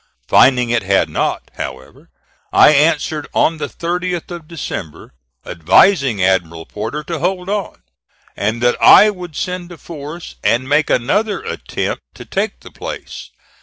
Finding it had not, however, I answered on the 30th of December, advising Admiral Porter to hold on, and that I would send a force and make another attempt to take the place.